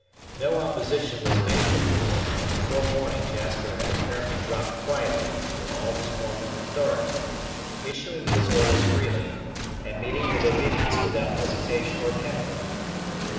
No opposition was made, therefore, and before morning Jasper had apparently dropped quietly into all his former authority, issuing his orders freely, and meeting with obedience without hesitation or cavil.